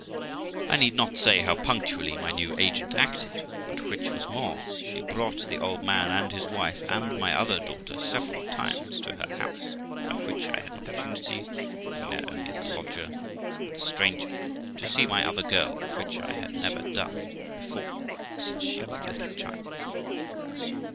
I need not say how punctually my new agent acted; but, which was more, she brought the old man and his wife, and my other daughter, several times to her house, by which I had an opportunity, being there only as a lodger, and a stranger, to see my other girl, which I had never done before, since she was a little child.